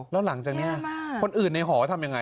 แล้วหลังจากนี้คนอื่นในหอทำยังไง